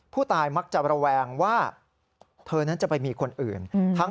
ผู้ตายมักจะระแวงว่าเธอนั้นจะไปมีคนอื่น